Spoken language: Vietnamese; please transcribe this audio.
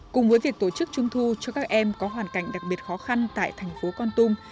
cùng với việc tổ chức trung thu cho các em có hoàn cảnh đặc biệt khó khăn tại thành phố con tum